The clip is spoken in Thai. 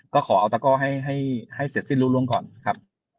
ก็ขอเอาตะก้อให้เสร็จสิ้นรู้ก่อนครับ